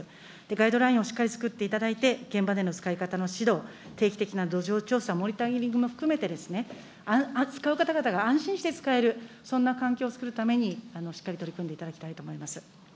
ガイドラインをしっかり作っていただいて、現場での使い方の指導、定期的な土壌調査、モニタリングも含めてですね、扱う方々が安心して使える、そんな環境を作るために、しっかり取り組んでいただきたいと思います。